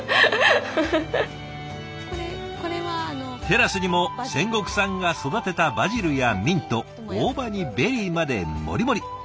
テラスにも仙石さんが育てたバジルやミント大葉にベリーまでもりもり。